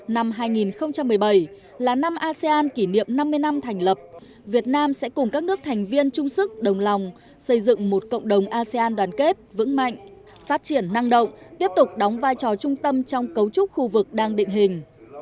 năm hai nghìn một mươi bảy là năm asean kỷ niệm năm mươi năm thành lập việt nam sẽ cùng các nước thành viên trung sức đồng lòng xây dựng một cộng đồng asean đoàn kết vững mạnh phát triển năng động tiếp tục đóng vai trò trung tâm trong cấu trúc khu vực đang định hình